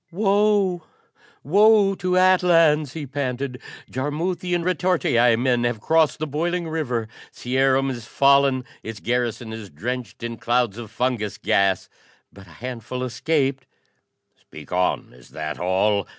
"Woe, woe to Atlans!" he panted. "Jarmuthian retortii men have crossed the boiling river. Cierum is fallen! Its garrison is drenched in clouds of fungus gas. But a handful escaped!" "Speak on: is that all?"